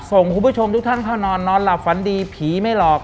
ส่งคุณผู้ชมทุกท่านเข้านอนนอนหลับฝันดีผีไม่หลอก